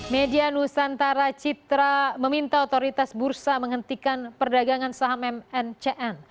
media nusantara citra meminta otoritas bursa menghentikan perdagangan saham mncn